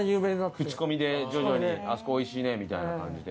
口コミで徐々に「あそこおいしいね」みたいな感じで。